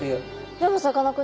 でもさかなクン